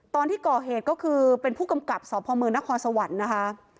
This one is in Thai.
ตอนที่ก่อเหตุก็คือเป็นผู้กำกับสพมนครสวรรค์นะคะ